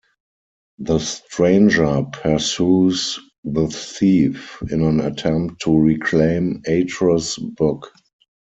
The Stranger pursues the thief in an attempt to reclaim Atrus' book.